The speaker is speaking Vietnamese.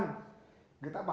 nhưng ông làm sao thế